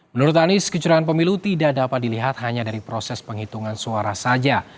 menurut anies kecurangan pemilu tidak dapat dilihat hanya dari proses penghitungan suara saja